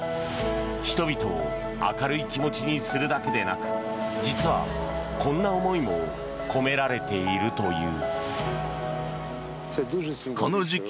人々を明るい気持ちにするだけでなく実は、こんな思いも込められているという。